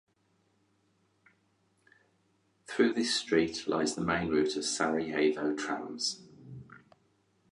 Through this street lies the main route of Sarajevo trams.